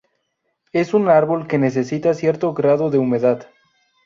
Es un árbol que necesita cierto grado de humedad.